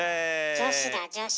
女子だ女子。